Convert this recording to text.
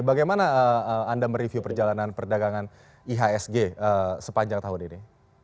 bagaimana anda mereview perjalanan perdagangan ihsg sepanjang tahun ini